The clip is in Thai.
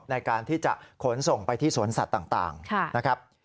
ในการที่จะขนส่งไปที่สวนสัตว์ต่างนะครับ